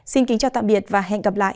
xin kính chào tạm biệt và hẹn gặp lại